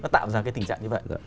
nó tạo ra cái tình trạng như vậy